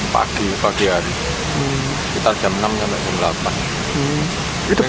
pagi pagi hari sekitar jam enam sampai jam delapan